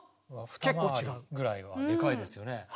二回りぐらいはでかいですよね。